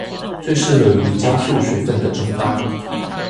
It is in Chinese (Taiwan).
最適合於加速水分的蒸發